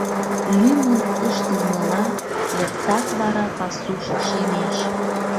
Лӱмын ыштылмыла, эртак вара пасуш шеҥеш...